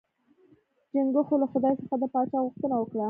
چنګښو له خدای څخه د پاچا غوښتنه وکړه.